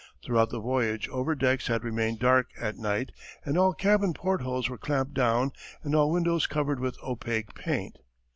Throughout the voyage our decks had remained dark at night and all cabin portholes were clamped down and all windows covered with opaque paint.